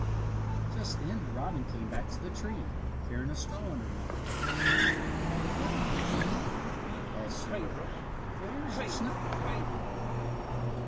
Just then the robin came back to the tree, carrying a straw in her mouth. "Well, my friend," asked she, "where is your snow?"